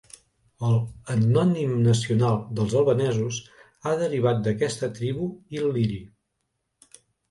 El etnònim nacional dels albanesos ha derivat d'aquesta tribu il·líri.